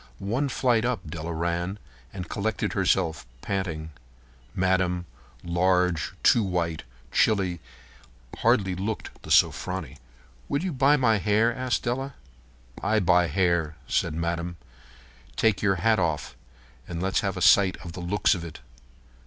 One flight up Della ran, and collected herself, panting. Madame, large, too white, chilly, hardly looked the "Sofronie." "Will you buy my hair?" asked Della. "I buy hair," said Madame. "Take yer hat off and let's have a sight at the looks of it."